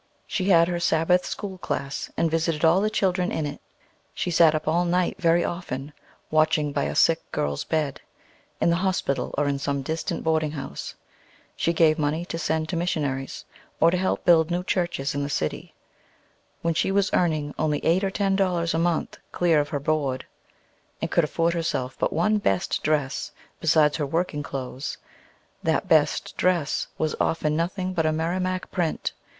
She had her Sabbath school class, and visited all the children in it: she sat up all night, very often, watching by a sick girl's bed, in the hospital or in some distant boarding house; she gave money to send to missionaries, or to help build new churches in the city, when she was earning only eight or ten dollars a month clear of her board, and could afford herself but one "best dress," besides her working clothes. That best dress was often nothing but a Merrimack print.